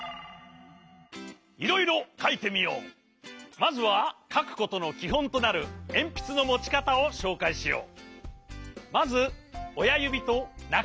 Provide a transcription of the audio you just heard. まずはかくことのきほんとなるえんぴつのもちかたをしょうかいしよう。